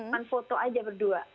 kan foto aja berdua